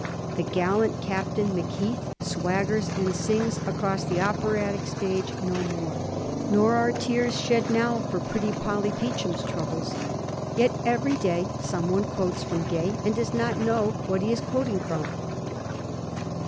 The gallant Captain Macheath swaggers and sings across the operatic stage no more, nor are tears shed now for pretty Polly Peachum's troubles. Yet every day some one quotes from Gay, and does not know what he is quoting from.